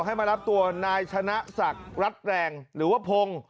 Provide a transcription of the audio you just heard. ให้มารับตัวนายชนะศักดิ์รัฐแรงหรือว่าพงศ์